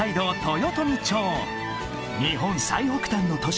日本最北端の都市